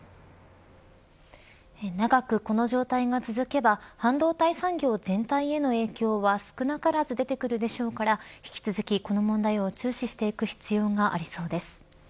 長くこの状態が続けば半導体産業全体への影響は少なからず出てくるでしょうから引き続き、この問題を注視していく必要がありそうです。